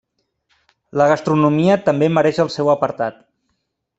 La gastronomia també mereix el seu apartat.